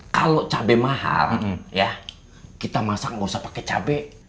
kalau cabai mahal ya kita masak nggak usah pakai cabai